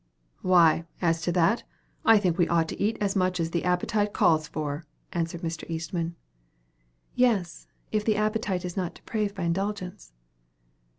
"Why, as to that, I think we ought to eat as much as the appetite calls for," answered Mr. Eastman. "Yes; if the appetite is not depraved by indulgence."